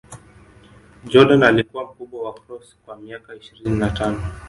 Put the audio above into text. Jordan alikuwa mkubwa wa Cross kwa miaka ishirini na tano.